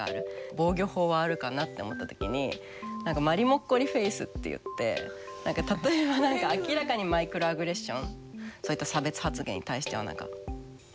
防御法はあるかなと思った時に何かまりもっこりフェースっていって例えば何か明らかなマイクロアグレッションそういった差別発言に対しては何か。